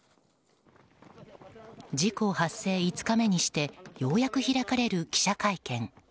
事故発生５日目にしてようやく開かれる記者会見。